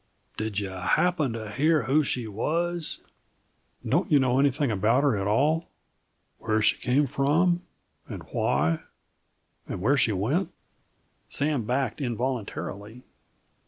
"Did you happen to hear who she was?" Sam stared and shook his head. "Don't you know anything about her at all where she came from and why, and where she went?" Sam backed involuntarily.